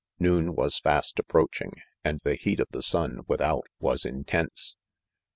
Noon was fast approaching, and the heat of the sun without, was intense* We.